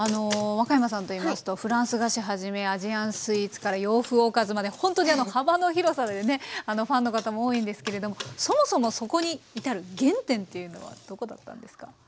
若山さんといいますとフランス菓子はじめアジアンスイーツから洋風おかずまでほんとに幅の広さでねファンの方も多いんですけれどもそもそもそこに至る原点っていうのはどこだったんですか？